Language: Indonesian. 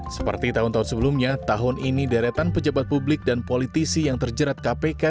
seperti tahun tahun sebelumnya tahun ini deretan pejabat publik dan politisi yang terjerat kpk